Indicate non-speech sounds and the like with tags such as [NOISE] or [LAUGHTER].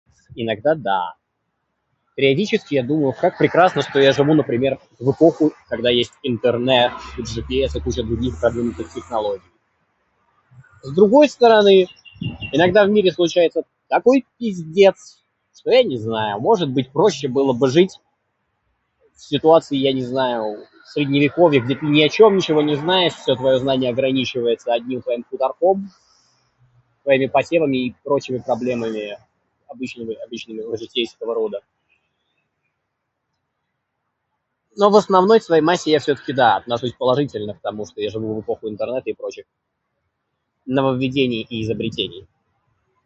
Иногда да. Периодически я думаю, как прекрасно, что я живу, например, в эпоху, когда есть интернет, GPS и куча других продвинутых технологий. С другой стороны, иногда в мире случается такой пиздец, что я не знаю. Может быть, проще было бы жить в ситуации, я не знаю, средневековья, где ты ни о чём ничего не знаешь. Всё твоё знание ограничивается одним твоим хуторком, твоими посевами и прочими проблемами обычны- обычного [UNINTELLIGIBLE] житейского рода. Но в основной своей массе я всё-таки да, отношусь положительно к тому, что я живу в эпоху интернета и прочих нововведений и изобретений.